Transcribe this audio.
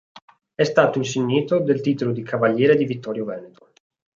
È stato insignito del titolo di Cavaliere di Vittorio Veneto.